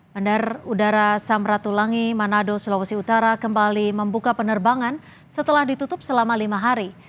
bandar udara samratulangi manado sulawesi utara kembali membuka penerbangan setelah ditutup selama lima hari